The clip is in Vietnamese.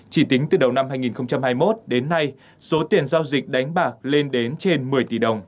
chỉ tính từ đầu năm hai nghìn hai mươi một đến nay số tiền giao dịch đánh bạc lên đến trên một mươi tỷ đồng